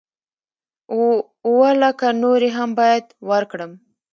اووه لکه نورې هم بايد ورکړم.